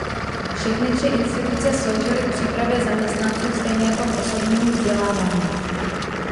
Všechny tři instituce sloužily k přípravě zaměstnanců stejně jako k osobnímu vzdělávání.